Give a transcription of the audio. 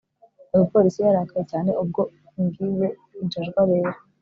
Umupolisi yarakaye cyane ubwo ungize injajwa rero